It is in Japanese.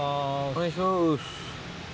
お願いします。